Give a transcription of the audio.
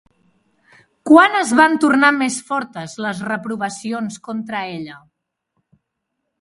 Quan es van tornar més fortes les reprovacions contra ella?